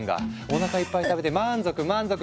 おなかいっぱい食べて満足満足。